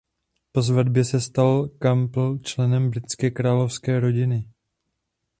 Po svatbě se stal Campbell členem britské královské rodiny.